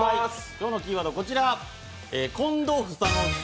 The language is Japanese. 今日のキーワード、こちら。